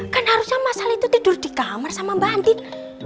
kan harusnya mas al itu tidur di kamar sama mbak andin